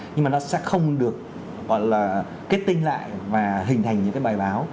nhưng mà nó sẽ không được kết tinh lại và hình thành những bài báo